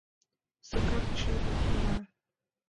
— Сакар чыным ойла...